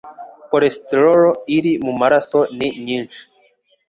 cholesterol iri mu maraso ni nyinshi